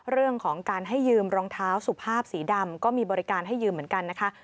เรื่องของการให้ยืมรองเท้าสุภาพสีดำก็มีบริการให้ยืมเหมือนกันนะคะ